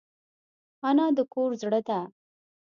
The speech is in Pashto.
انا د کور زړه ده